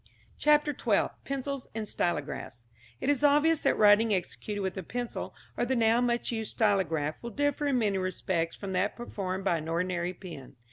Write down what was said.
CHAPTER XII. PENCILS AND STYLOGRAPHS. It is obvious that writing executed with a pencil or the now much used stylograph will differ in many respects from that performed by an ordinary pen.